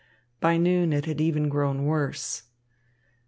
By noon it had even grown worse.